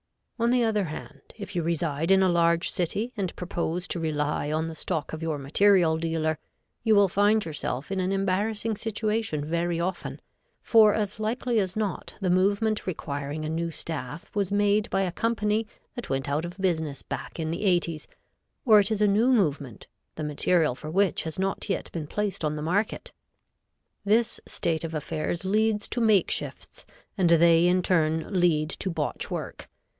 On the other hand, if you reside in a large city and propose to rely on the stock of your material dealer, you will find yourself in an embarrasing situation very often, for as likely as not the movement requiring a new staff was made by a company that went out of business back in the '80s, or it is a new movement, the material for which has not yet been placed on the market. This state of affairs leads to makeshifts, and they in turn lead to botch work.